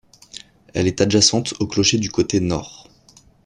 Elle est adjacente au clocher du côté nord.